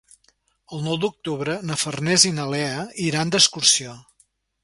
El nou d'octubre na Farners i na Lea iran d'excursió.